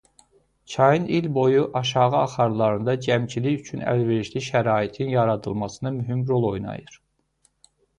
Çayın il boyu aşağı axarlarında gəmiçilik üçün əlverişli şəraitin yaradılmasında mühüm rol oynayır.